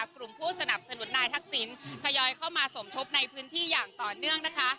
กลุ่มผู้สนับสนุนนายทักษิณทยอยเข้ามาสมทบในพื้นที่อย่างต่อเนื่องนะคะ